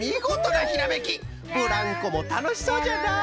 ブランコもたのしそうじゃな！